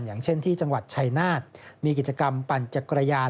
อย่างเช่นที่จังหวัดชัยนาธมีกิจกรรมปั่นจักรยาน